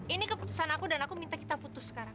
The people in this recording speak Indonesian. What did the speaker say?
ini keputusan aku dan aku minta kita putus sekarang